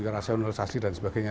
rasionalisasi dan sebagainya